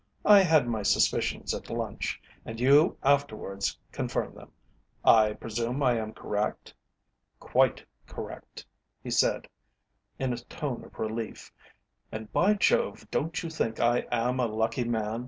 "I had my suspicions at lunch, and you afterwards confirmed them. I presume I am correct?" "Quite correct," he said in a tone of relief. "And, by Jove, don't you think I am a lucky man?